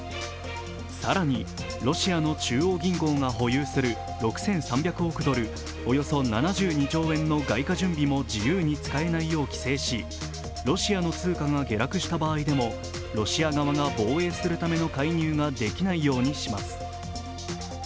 更に、ロシアの中央銀行が保有する６３００億ドル、およそ７２兆円の外貨準備も自由に使えないよう規制し、ロシアの通貨が下落した場合でもロシア側が防衛するための介入ができないようにします。